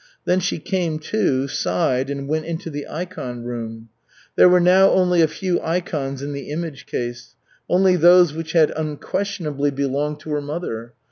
Then she came to, sighed, and went into the ikon room. There were now only a few ikons in the image case, only those which had unquestionably belonged to her mother.